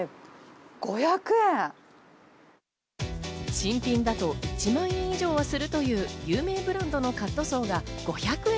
新品だと１万円以上はするという有名ブランドのカットソーが５００円。